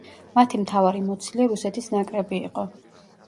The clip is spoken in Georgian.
მათი მთავარი მოცილე რუსეთის ნაკრები იყო.